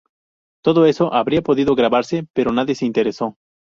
Todo eso habría podido grabarse, pero nadie se interesó.